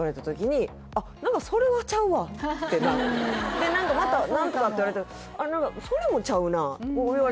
でまた何かって言われたらあれそれもちゃうな「これは？」